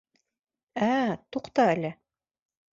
Ә-ә, туҡта әле!